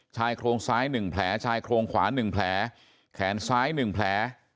ชายโครงซ้าย๑แผลชายโครงขวา๑แผลแขนซ้าย๑แผล